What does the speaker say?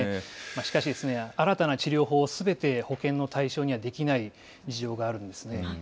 しかし、新たな治療法すべて保険の対象にはできない事情があるんですね。